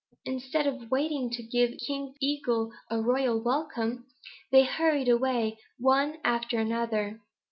Instead of waiting to give King Eagle a royal welcome, they hurried away, one after another.